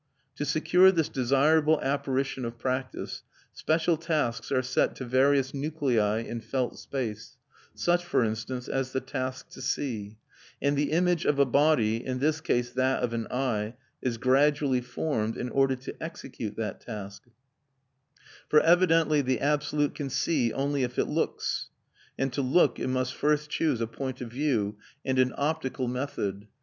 To secure this desirable apparition of practice special tasks are set to various nuclei in felt space (such, for instance, as the task to see), and the image of a body (in this case that of an eye) is gradually formed, in order to execute that task; for evidently the Absolute can see only if it looks, and to look it must first choose a point of view and an optical method.